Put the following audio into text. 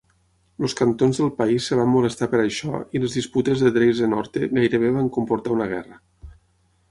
Els cantons del país es van molestar per això i les disputes de Dreizehn Orte gairebé van comportar una guerra.